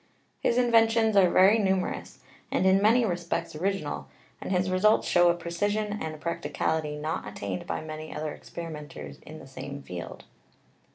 His inventions are very numerous, and in many respects original, and his results show a precision and practicality not attained by many other experimenters in the same field.